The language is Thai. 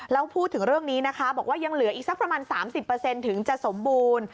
แล้วพูดถึงเรื่องนี้นะคะบอกว่ายังเหลืออีกสักประมาณ๓๐ถึงจะสมบูรณ์